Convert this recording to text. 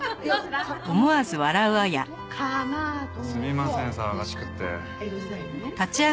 すみません騒がしくって。